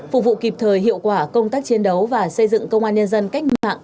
phục vụ kịp thời hiệu quả công tác chiến đấu và xây dựng công an nhân dân cách mạng